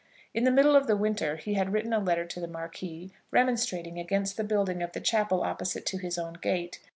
In the middle of the winter he had written a letter to the Marquis, remonstrating against the building of the chapel opposite to his own gate.